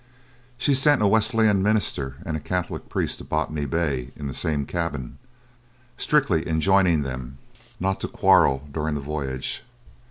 She sent a Wesleyan minister and a Catholic priest to Botany Bay in the same cabin, strictly enjoining them not to quarrel during the voyage.